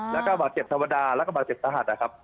และก็บาดเจ็บศาวดาและบาดเจ็บสหัสครับ